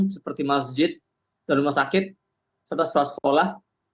seperti masjid dan rumah sakit serta sekolah sekolah